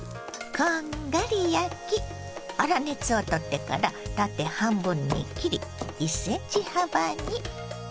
こんがり焼き粗熱を取ってから縦半分に切り１ｃｍ幅に。